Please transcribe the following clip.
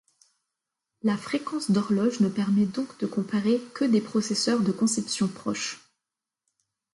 La fréquence d'horloge ne permet donc de comparer que des processeurs de conception proche.